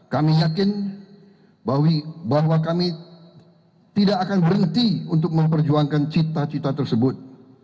kami yakin bahwa kami tidak akan berhenti untuk memperjuangkan cita cita tersebut